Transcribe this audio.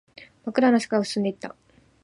真っ暗な世界を進んでいった